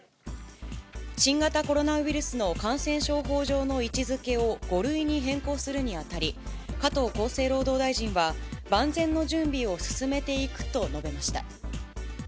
新型コロナウイルスの感染症法上の位置づけを、５類に変更するにあたり、加藤厚生労働大臣は、万全の準備を進めていくと述べました。